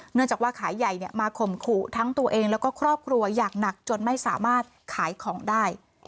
เนื่องจากว่าขายใหญ่มาข่มขู่ทั้งตัวเองแล้วก็ครอบครัวอย่างหนักจนไม่สามารถขายของได้